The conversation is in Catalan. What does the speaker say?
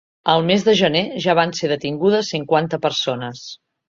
El mes de gener ja van ser detingudes cinquanta persones.